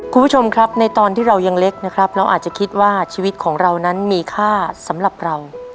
คุณผู้ชมครับในตอนที่เรายังเล็กนะครับเราอาจจะคิดว่าชีวิตของเรานั้นมีค่าสำหรับเรา